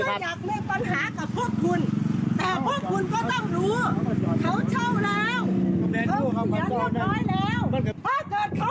เว้ยฉันไม่อยากจะยุ่งเจียวกับใคร